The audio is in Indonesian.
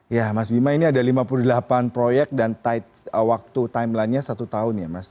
ya mas bima ini ada lima puluh delapan proyek dan waktu timeline nya satu tahun ya mas